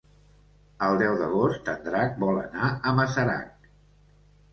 El deu d'agost en Drac vol anar a Masarac.